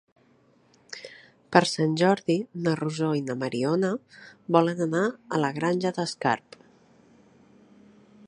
Per Sant Jordi na Rosó i na Mariona volen anar a la Granja d'Escarp.